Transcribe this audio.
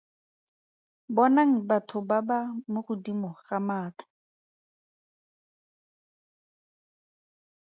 Bonang batho ba ba mo godimo ga matlo.